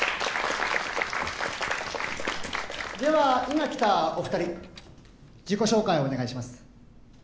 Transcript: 今来たお二人自己紹介をお願いします